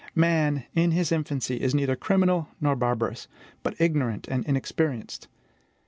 Man, in his infancy, is neither criminal nor barbarous, but ignorant and inexperienced.